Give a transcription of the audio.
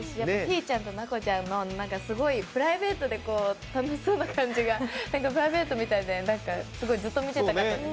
ちゃんと奈子ちゃんのプライベートでで楽しそうな感じがプライベートみたいでずっと見てたかったです。